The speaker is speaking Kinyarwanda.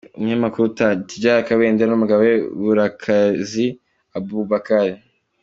Umunyamakuru Tidjara Kabendera n’umugabo we Burakazi Aboubakar.